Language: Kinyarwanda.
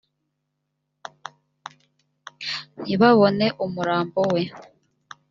ntibabone umurambo we